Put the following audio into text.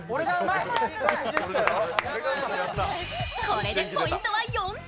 これでポイントは４−１。